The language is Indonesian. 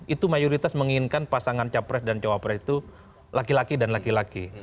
itu mayoritas menginginkan pasangan capres dan cawapres itu laki laki dan laki laki